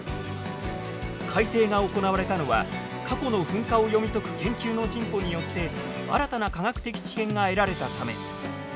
改定が行われたのは過去の噴火を読み解く研究の進歩によって新たな科学的知見が得られたため。